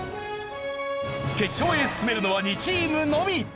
決勝へ進めるのは２チームのみ。